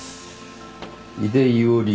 井出伊織。